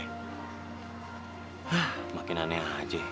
hah makin aneh aja